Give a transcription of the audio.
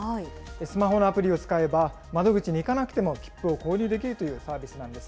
スマホのアプリを使えば、窓口に行かなくても切符が購入できるというサービスなんです。